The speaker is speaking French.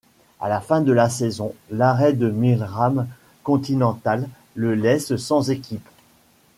À la fin de la saison, l'arrêt de Milram Continental le laisse sans équipe.